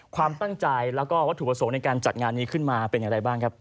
ความตั้งใจแล้วก็วัตถุประสงค์ในการจัดงานนี้ขึ้นมาเป็นอย่างไรบ้างครับ